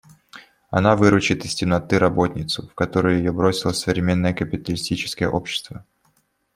Она выручит из темноты работницу, в которую ее бросило современное капиталистическое общество.